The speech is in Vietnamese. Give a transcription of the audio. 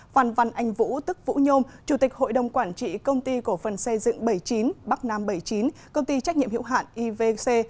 phan văn anh vũ tức vũ nhôm chủ tịch hội đồng quản trị công ty cổ phần xây dựng bảy mươi chín bắc nam bảy mươi chín công ty trách nhiệm hiệu hạn ivc